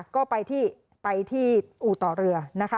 ก็ไปที่อู่ต่อเรือ